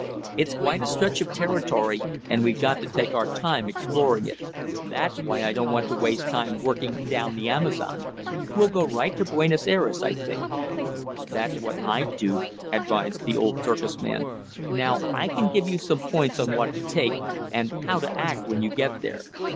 It's quite a stretch of territory, and we've got to take our time exploring it. That's why I don't want to waste time working down from the Amazon. We'll go right to Buenos Ayres, I think." "That's what I'd do," advised the old circus man. "Now I can give you some points on what to take, and how to act when you get there.